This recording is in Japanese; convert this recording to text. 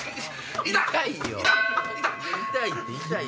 痛いよ。